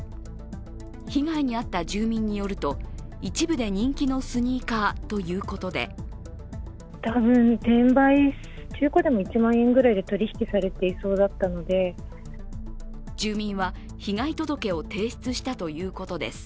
被害に遭った住民によると一部で人気のスニーカーということで住民は被害届を提出したということです。